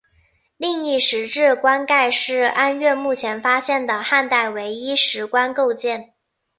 另一石质棺盖是安岳目前发现的汉代唯一石棺构件。